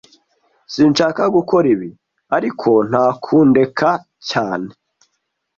Sinshaka gukora ibi, ariko nta kundeka cyane